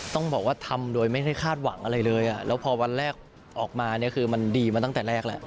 ต้องบอกว่าทำโดยไม่ได้คาดหวังอะไรเลยแล้วพอวันแรกออกมาเนี่ยคือมันดีมาตั้งแต่แรกแหละ